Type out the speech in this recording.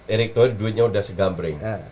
erik thohir duitnya udah segambering